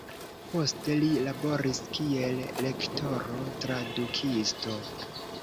Poste li laboris kiel lektoro, tradukisto.